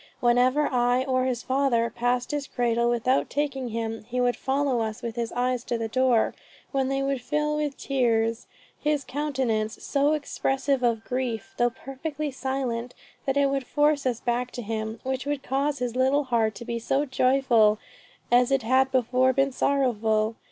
Whenever I or his father, passed his cradle without taking him, he would follow us with his eyes to the door, when they would fill with tears, his countenance so expressive of grief, though perfectly silent, that it would force us back to him, which would cause his little heart to be as joyful as it had before been sorrowful.